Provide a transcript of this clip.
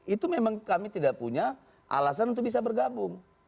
itu memang kami tidak punya alasan untuk bisa bergabung